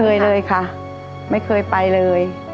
ไม่เคยเลยค่ะไม่เคยไปเลย